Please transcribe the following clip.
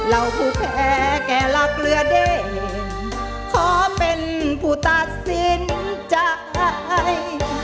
เราผู้แพ้แก่หลักเรือเด่นขอเป็นผู้ตัดสินใจ